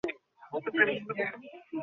জিনিসটাকে এভাবে ভেবো না।